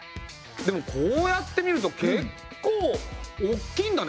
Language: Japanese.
でもこうやって見るとけっこう大きいんだね。